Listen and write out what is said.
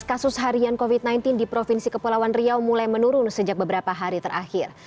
kasus harian covid sembilan belas di provinsi kepulauan riau mulai menurun sejak beberapa hari terakhir